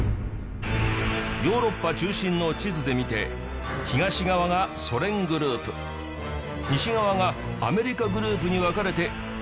ヨーロッパ中心の地図で見て東側がソ連グループ西側がアメリカグループに分かれて激しく対立